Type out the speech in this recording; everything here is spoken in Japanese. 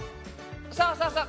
そうそうそう。